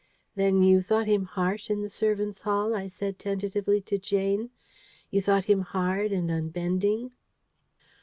"Then you thought him harsh, in the servants' hall?" I said tentatively to Jane. "You thought him hard and unbending?"